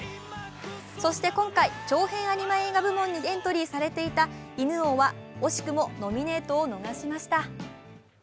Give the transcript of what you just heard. そして今回、長編アニメ映画部門にエントリーされていた「犬王」は惜しくもノミネートを逃しました。